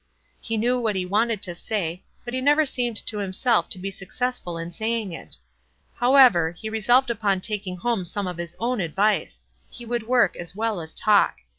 He knew what he wanted to say, but he never seemed to himself to be successful in saying it. However, he resolved upon taking home some of his own advice. He would work as well as talk.